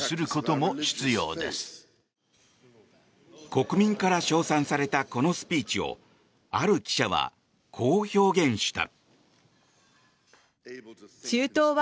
国民から称賛されたこのスピーチをある記者は、こう表現した。